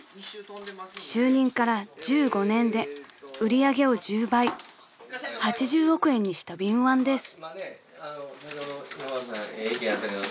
［就任から１５年で売り上げを１０倍８０億円にした敏腕です］